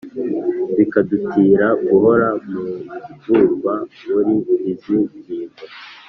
bikandutira guhora mpururwa muri izi ngingo